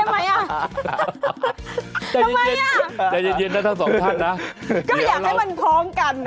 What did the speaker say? ได้ไหมอ่ะทำไมอ่ะใจเย็นนะทั้งสองท่านนะก็อยากให้มันพร้อมกันน่ะ